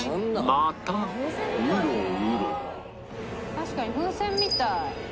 「確かに風船みたい」